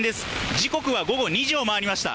時刻は午後２時を回りました。